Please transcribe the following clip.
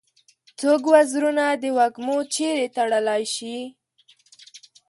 څوک وزرونه د وږمو چیري تړلای شي؟